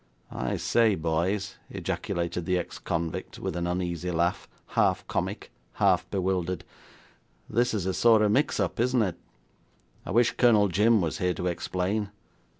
'I say, boys,' ejaculated the ex convict, with an uneasy laugh, half comic, half bewildered, 'this is a sort of mix up, isn't it? I wish Colonel Jim was here to explain.